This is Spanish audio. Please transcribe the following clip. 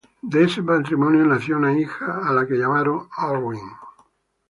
De ese matrimonio nació una hija a la que llamaron Arwen.